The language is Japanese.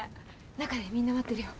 中でみんな待ってるよ。